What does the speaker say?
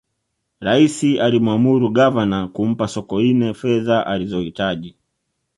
raisi alimwamuru gavana kumpa sokoine fedha alizohitaji